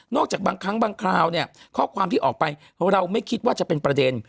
จากบางครั้งบางคราวเนี่ยข้อความที่ออกไปเราไม่คิดว่าจะเป็นประเด็น